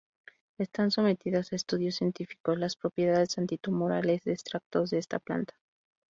Están sometidas a estudios científicos las propiedades antitumorales de extractos de esta planta.